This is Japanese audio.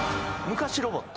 昔ロボット？